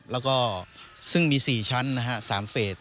แล้วก็ซึ่งมี๔ชั้นนะฮะ๓เฟส